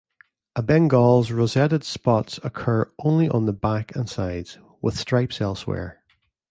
A Bengal's rosetted spots occur only on the back and sides, with stripes elsewhere.